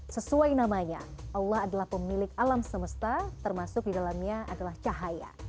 sesuai namanya allah adalah pemilik alam semesta termasuk di dalamnya adalah cahaya